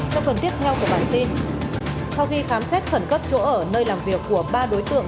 trong phần tiếp theo của bản tin sau khi khám xét khẩn cấp chỗ ở nơi làm việc của ba đối tượng